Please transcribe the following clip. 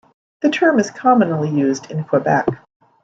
The term is commonly used in Quebec.